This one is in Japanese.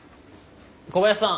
小林さん